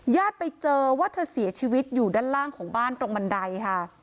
ญาติไปเจอว่าเธอเสียชีวิตอยู่ด้านล่างของบ้านตรงบันไดค่ะ